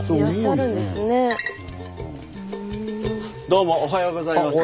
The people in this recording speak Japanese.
どうもおはようございます。